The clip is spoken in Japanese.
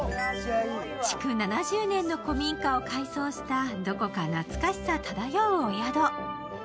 築７０年の古民家を改装した、どこか懐かしさ漂うお宿。